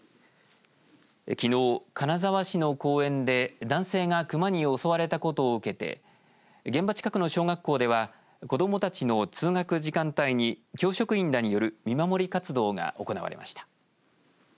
きのう金沢市の公園で男性がクマに襲われたことを受けて現場近くの小学校では子どもたちの通学時間帯に教職員らによる見守り活動が行われました。